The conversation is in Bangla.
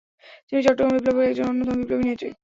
তিনি চট্টগ্রাম বিপ্লবের একজন অন্যতম বিপ্লবী নেত্রী।